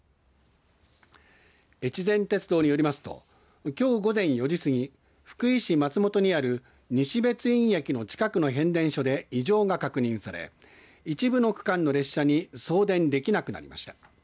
えちぜん鉄道によりますときょう午前４時過ぎ福井市松本にある西別院駅の近くの変電所で異常が確認され一部の区間の列車に送電できなくなりました。